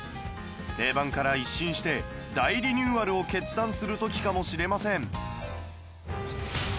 定番から一新して大リニューアルを決断する時かもしれません